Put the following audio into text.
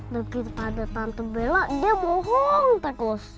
daripada tante bella dia bohong tegos